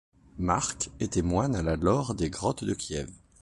Marc était moine à la Laure des Grottes de Kiev.